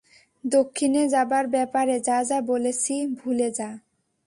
দক্ষিণে যাবার ব্যাপারে যা যা বলেছি ভুলে যা!